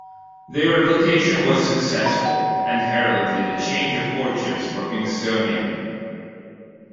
Their application was successful, and heralded a change of fortunes for Kingstonian.